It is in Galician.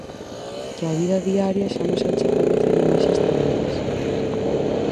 Que a vida diaria xa nos enche a cabeza de imaxes terríbeis.